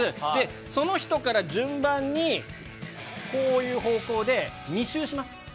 その人から順番に、こういう方向で２周します。